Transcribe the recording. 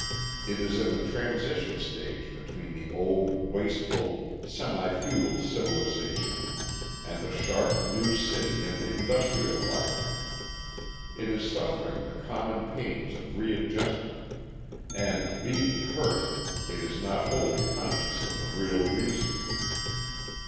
It is in the transition stage between the old wasteful, semi feudal civilisation and the sharp new city and industrial life. It is suffering the common pains of readjustment; and, being hurt, it is not wholly conscious of the real reason.